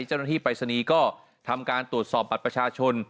เจ้าหน้าที่ปรายศนีย์ก็ทำการตรวจสอบบัตรประชาชน